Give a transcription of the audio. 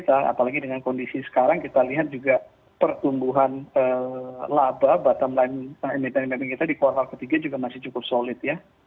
apalagi dengan kondisi sekarang kita lihat juga pertumbuhan laba bottom line emiten emil kita di kuartal ketiga juga masih cukup solid ya